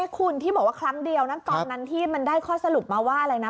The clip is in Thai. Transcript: คุณที่บอกว่าครั้งเดียวนะตอนนั้นที่มันได้ข้อสรุปมาว่าอะไรนะ